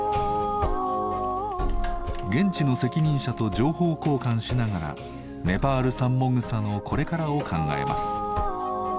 現地の責任者と情報交換しながらネパール産もぐさのこれからを考えます。